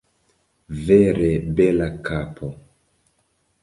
Vere bela kapo.